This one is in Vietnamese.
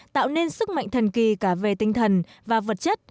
tạo nên sức mạnh thần kỳ cả về tinh thần và vật chất